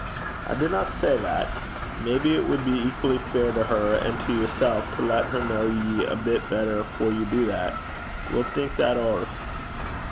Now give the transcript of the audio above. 'I dinna say that. Maybe it wad be equally fair to her and to yersel' to lat her ken ye a bit better afore ye do that. We'll think that ower.